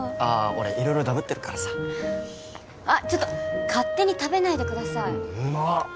俺色々だぶってるからさあっちょっと勝手に食べないでくださいうんうまっ